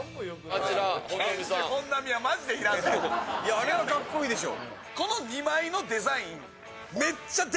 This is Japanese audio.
あれはかっこいいでしょう。